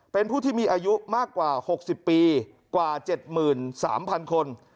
เป็นผู้ที่มีอายุมากกว่า๖๐ปีกว่า๗๓๐๐คน